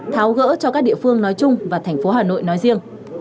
tháo gỡ cho các địa phương nói chung và thành phố hà nội nói riêng